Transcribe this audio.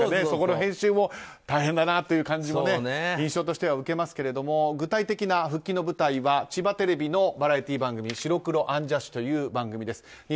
その編集も大変だなというのも印象としては受けますが具体的な復帰の舞台は千葉テレビのバラエティー番組「白黒アンジャッシュ」という番組です。